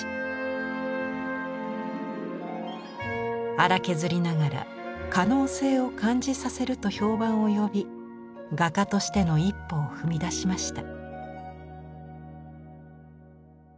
「粗削りながら可能性を感じさせる」と評判を呼び画家としての一歩を踏み出しました。